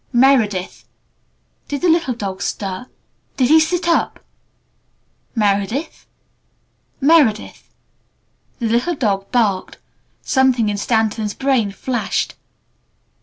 "Meredith " (Did the little dog stir? Did he sit up?) "Meredith? Meredith?" The little dog barked. Something in Stanton's brain flashed.